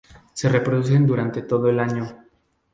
Se reproducen durante todo el año.